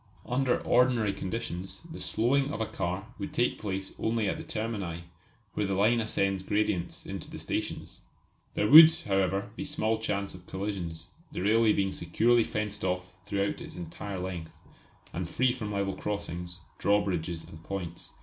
Under ordinary conditions the slowing of a car would take place only at the termini, where the line ascends gradients into the stations. There would, however, be small chance of collisions, the railway being securely fenced off throughout its entire length, and free from level crossings, drawbridges and points.